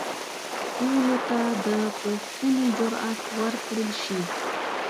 ټولو ته د پوښتنې جرئت ورکړل شي.